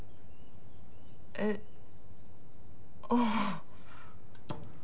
えっああ。